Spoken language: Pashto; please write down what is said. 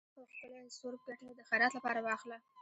ښه ښکلے څورب کټے د خيرات لپاره واخله۔